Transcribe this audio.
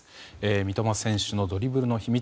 三笘選手のドリブルの秘密